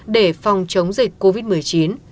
để phòng chống dịch covid một mươi chín